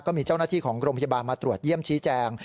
ก็มีเจ้าหน้าที่ของโรงพยาบาลมาตรวจเยี่ยมชี้แจง